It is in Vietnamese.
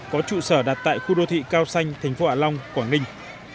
có trụ sở đặt tại khu đô thị cao xanh tp hạ long quảng ninh